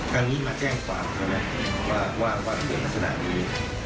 ครั้งนี้มาแจ้งความใช่ไหมว่าเกิดลักษณะนี้